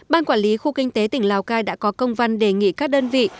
ban quản lý khu kinh tế tỉnh lào cai đã có công văn đề nghị các đơn vị